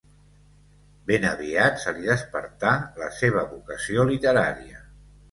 Ben aviat se li despertà la seva vocació literària.